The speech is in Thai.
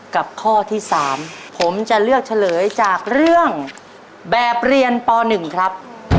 กับข้อที่๓ผมจะเลือกเฉลยจากเรื่องแบบเรียนป๑ครับ